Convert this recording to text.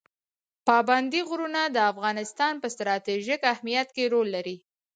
پابندي غرونه د افغانستان په ستراتیژیک اهمیت کې رول لري.